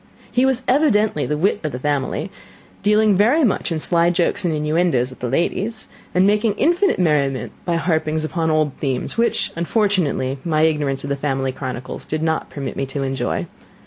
He was evidently the wit of the family, dealing very much in sly jokes and innuendoes with the ladies, and making infinite merriment by harpings upon old themes; which, unfortunately, my ignorance of the family chronicles did not permit me to enjoy.